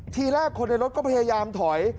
ทีแรกคนในรถก็พยายามถอย